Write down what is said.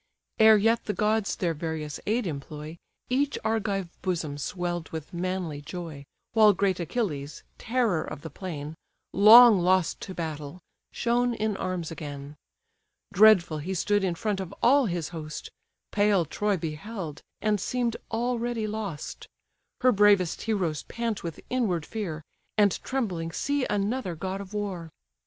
Ere yet the gods their various aid employ, Each Argive bosom swell'd with manly joy, While great Achilles (terror of the plain), Long lost to battle, shone in arms again. Dreadful he stood in front of all his host; Pale Troy beheld, and seem'd already lost; Her bravest heroes pant with inward fear, And trembling see another god of war.